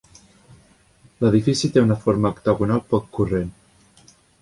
L'edifici té una forma octagonal poc corrent.